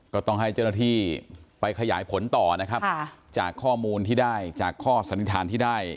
ก็ต้องให้เจ้าหน้าที่ไปขยายผลต่อนะครับจากข้อมูลที่ได้จากข้อสันนิษฐานที่ได้